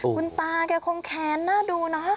คุณตาแกคงแค้นน่าดูนะ